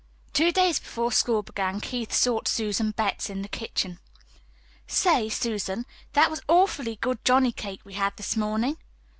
Two days before school began Keith sought Susan Betts in the kitchen. "Say, Susan, that was awfully good johnny cake we had this morning."